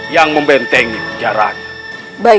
yang membentuk raja gai